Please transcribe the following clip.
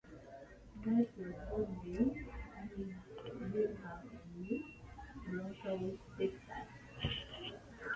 Nash was born Leigh Anne Bingham in New Braunfels, Texas.